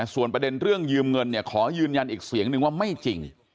ส่วนประเด็นเรื่องยืมเงินขอยืนยันอีกเสียงนึงว่าไม่จริง